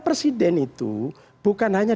presiden itu bukan hanya